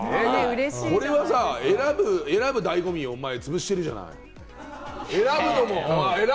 これはさ、選ぶ醍醐味をつぶしてるじゃん。